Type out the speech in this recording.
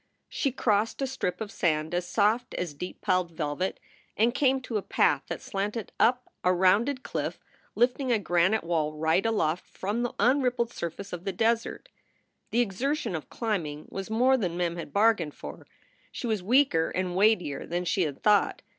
She crossed a strip of sand as soft as deep piled velvet, and came to a path that slanted up a rounded cliff lifting a granite wall right aloft from the unrippled surface of the desert. The exertion of climbing was more than Mem had bar gained for. She was weaker and weightier than she had thought.